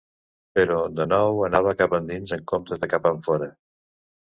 Però, de nou, anava cap endins en compte de cap enfora.